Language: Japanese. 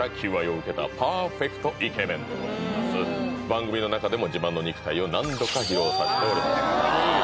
番組の中でも自慢の肉体を何度か披露させております